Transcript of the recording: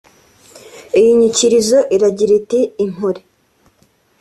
Iyi nyikirizo iragira iti ” Impore